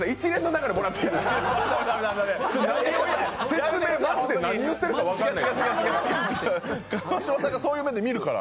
説明、マジで何言ってるか分からない。